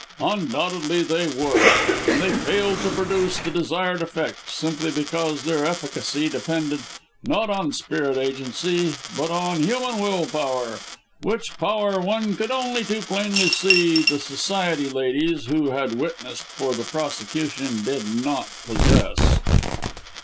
Undoubtedly they would! And they failed to produce the desired effect, simply because their efficacy depended, not on spirit agency, but on human will power; which power one could only too plainly see the society ladies who had witnessed for the prosecution did not possess.